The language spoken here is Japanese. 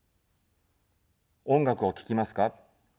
音楽を聴きますか。